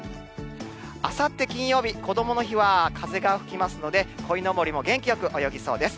あさって金曜日、こどもの日は、風が吹きますので、こいのぼりも元気よく泳ぎそうです。